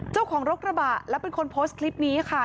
เจ้าของรถกระบะและเป็นคนโพสต์คลิปนี้ค่ะ